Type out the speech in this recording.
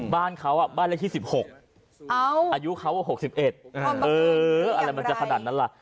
บ้านเขาอ่ะบ้านเล่นที่สิบหกอ้าวอายุเขาว่าหกสิบเอ็ดเอออะไรมันจะขนัดนั้นล่ะ